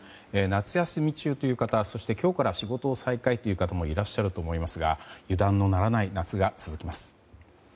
夏休み中という方も今日から仕事を再開という方もいらっしゃると思いますが油断のならない夏が続きます。